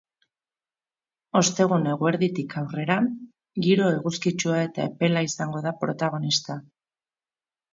Ostegun eguerditik aurrera, giro eguzkitsua eta epela izango da protagonista.